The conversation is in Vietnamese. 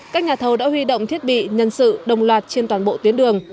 các nhà thầu đã huy động thiết bị nhân sự đồng loạt trên toàn bộ tuyến đường